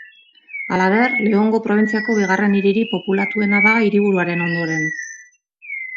Halaber, Leongo probintziako bigarren hiririk populatuena da hiriburuaren ondoren.